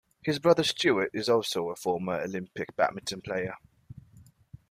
His brother Stuart is also a former Olympic badminton player.